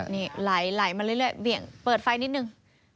นี่ไหลมาเรื่อยเบี่ยงเปิดไฟนิดนึง